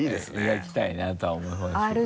描きたいなとは思いますけど。